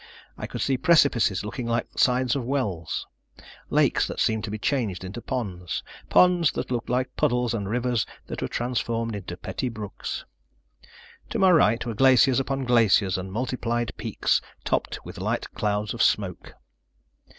I could see precipices looking like sides of wells, lakes that seemed to be changed into ponds, ponds that looked like puddles, and rivers that were transformed into petty brooks. To my right were glaciers upon glaciers, and multiplied peaks, topped with light clouds of smoke.